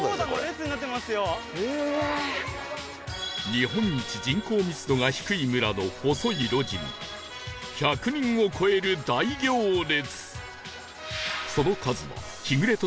日本一人口密度が低い村の細い路地に１００人を超える大行列